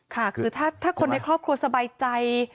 ค่ะคือถ้าคนในครอบครัวสบายใจ